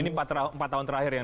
ini empat tahun terakhir ya